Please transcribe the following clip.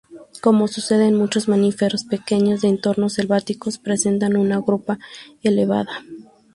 Como sucede en muchos mamíferos pequeños de entornos selváticos, presentan una grupa elevada.